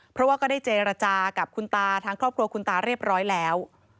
เพราะว่าก็ได้เจรจากับคุณตาทางครอบครัวคุณตาเรียบร้อยแล้ว